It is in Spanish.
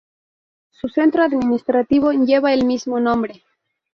Su centro administrativo lleva el mismo nombre.